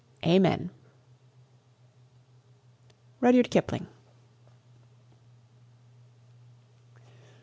Amen. RUDYARD KIPLING.